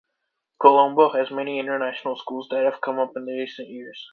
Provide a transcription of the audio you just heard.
Colombo has many International Schools that have come up in the recent years.